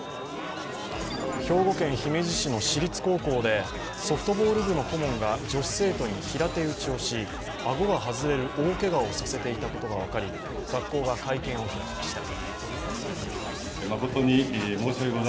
兵庫県姫路市の私立高校でソフトボール部の顧問が女子生徒に平手打ちをし、顎が外れる大けがをさせていたことが分かり、学校が会見を開きました。